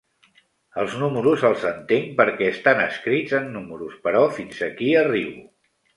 Els números els entenc perquè estan escrits en números, però fins aquí arribo.